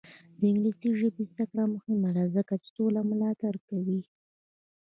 د انګلیسي ژبې زده کړه مهمه ده ځکه چې سوله ملاتړ کوي.